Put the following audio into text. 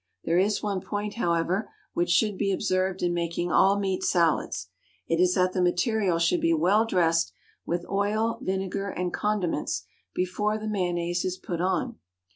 There is one point, however, which should be observed in making all meat salads: it is that the material should be well dressed with oil, vinegar, and condiments before the mayonnaise is put on.